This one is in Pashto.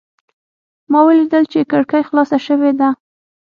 ما ولیدل چې کړکۍ خلاصه شوې ده.